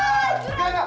jangan jangan jangan